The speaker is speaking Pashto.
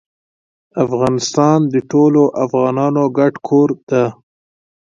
افغانستان د ټولو افغانانو ګډ کور ده.